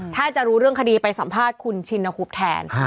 ถ้าจะรู้เรื่องคดีไปสัมภาษณ์คุณชินคุบแทน